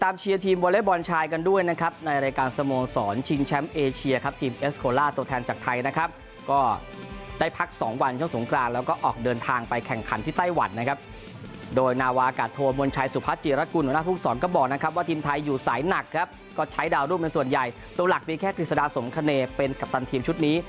เป็นส่วนใหญ่ตัวหลักมีแค่กีฬาสมคเนเป็นกัปตันทีมชุดนี้